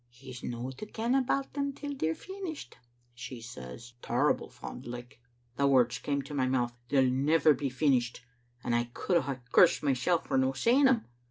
"*He's no to ken about them till they're finished, ' she says, terrible fond like. "The words came to my mouth, 'They'll never be fin ished,' and I could hae cursed mysel' for no saying them.